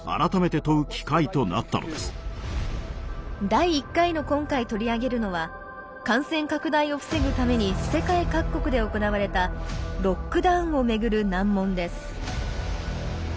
第１回の今回取り上げるのは感染拡大を防ぐために世界各国で行われた「ロックダウン」をめぐる難問です。